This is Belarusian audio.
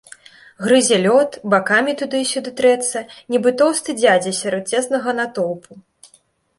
Грызе лёд, бакамі туды і сюды трэцца, нібы тоўсты дзядзя сярод цеснага натоўпу.